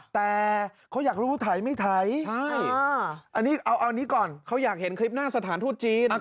แต่เขาอยากรู้ไถไม่ไถใช่อันนี้เอานี้ก่อนเขาอยากเห็นคลิปหน้าสถานทูตจีน